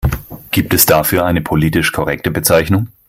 Gibt es dafür eine politisch korrekte Bezeichnung?